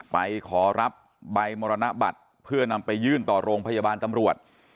ไปขอรับใบมรณบัตรเพื่อนำไปยื่นต่อโรงพยาบาลตำรวจ